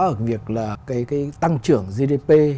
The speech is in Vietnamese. ở việc là cái tăng trưởng gdp